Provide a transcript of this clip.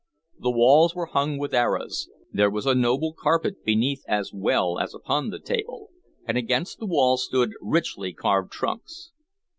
The walls were hung with arras, there was a noble carpet beneath as well as upon the table, and against the wall stood richly carved trunks.